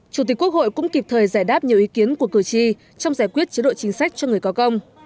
chủ tịch quốc hội cũng kịp thời giải đáp nhiều ý kiến của cử tri trong giải quyết chế độ chính sách cho người có công